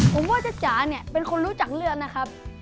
ผมว่าจ้าจ๋าเนี่ยเป็นคนรู้จักเลือดนะครับ